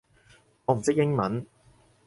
我唔識英文